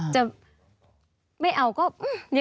จะไม่เอาก็ยังไง